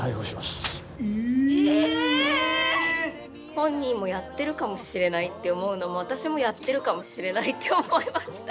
本人もやってるかもしれないって思うのも私もやってるかもしれないって思いました。